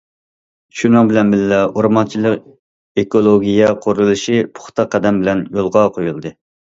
شۇنىڭ بىلەن بىللە، ئورمانچىلىق ئېكولوگىيە قۇرۇلۇشى پۇختا قەدەم بىلەن يولغا قويۇلدى.